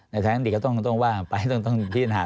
ในทางเทคนิคก็ต้องว่าไปต้องที่หา